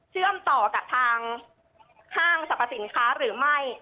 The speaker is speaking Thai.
เชื่อมต่อกับทางห้างสรรพสินค้าหรือไม่